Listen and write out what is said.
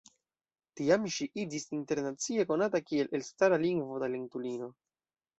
Tiam ŝi iĝis internacie konata kiel elstara lingvo-talentulino.